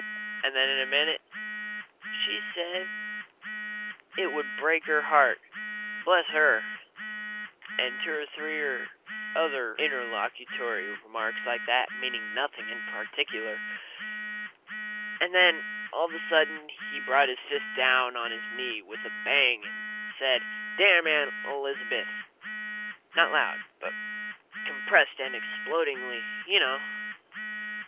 And then, in a minute: "She said it would break her heart bless her!" And two or three other interlocutory remarks like that, meaning nothing in particular. And then all of a sudden he brought his fist down on his knee with a bang and said, "Damn Aunt Elizabeth!" not loud, but compressed and explodingly, you know.